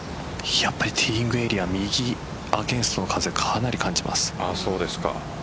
やっぱりティーイングエリア右アゲンストの風かなり感じます。